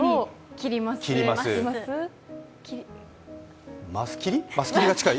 切りが近い？